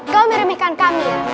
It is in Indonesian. kamu meremehkan kami